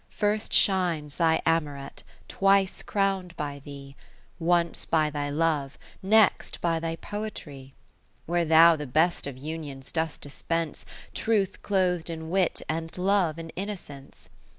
First shines thy Amoret, twice crown'd by thee, Once by thy love, next by thy poetry : 10 Where thou the best of unions dost dispense, Truth cloth'd in Wit, and Love in Innocence.